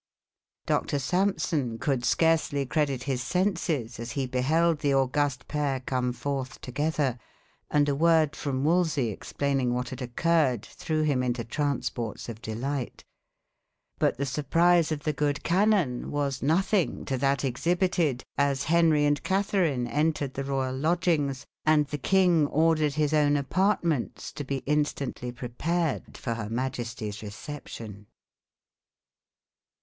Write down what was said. Doctor Sampson could scarcely credit his senses as he beheld the august pair come forth together, and a word from Wolsey explaining what had occurred, threw him into transports of delight. But the surprise of the good canon was nothing to that exhibited as Henry and Catherine entered the royal lodgings, and the king ordered his own apartments to be instantly prepared for her majesty's reception.